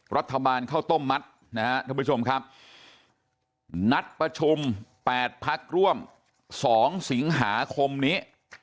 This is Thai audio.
รัฐบาลเข้าต้มมัดนะครับทุกผู้ชมครับนัดประชุม๘พักร่วม๒สิงหาคมนี้